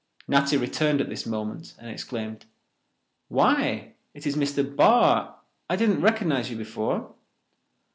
Natty returned at this moment and exclaimed, "Why, it is Mr. Barr. I didn't recognize you before."